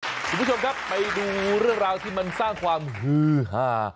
คุณผู้ชมครับไปดูเรื่องราวที่มันสร้างความฮือหา